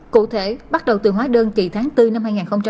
cụ thể bắt đầu từ hóa đơn chị tháng bốn năm hai nghìn hai mươi